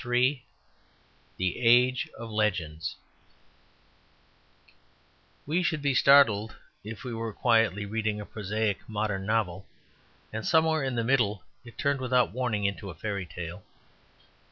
III THE AGE OF LEGENDS We should be startled if we were quietly reading a prosaic modern novel, and somewhere in the middle it turned without warning into a fairy tale.